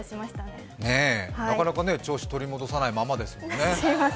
なかなか調子取り戻さないままですもんね。